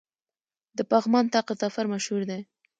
د پغمان طاق ظفر مشهور دی